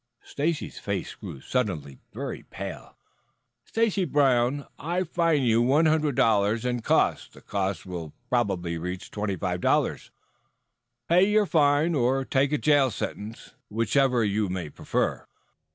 Stacy's face grew suddenly pale. "Stacy Brown, I fine you one hundred dollars and costs. The costs will probably reach twenty five dollars. Pay your fine or take a jail sentence, whichever you may prefer."